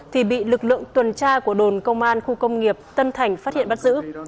thì bị lực lượng tuần tra của đồn công an khu công nghiệp tân thành phát hiện bắt giữ